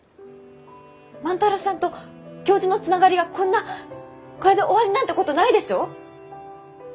万太郎さんと教授のつながりがこんなこれで終わりなんてことないでしょ？